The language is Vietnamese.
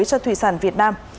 cho thủy sản việt nam